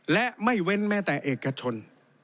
และไม่เว้นแม้แต่เอกชน